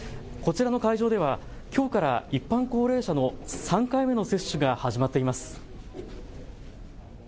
こちらの会場ではきょうから一般高齢者の３回目の接種が始まっています。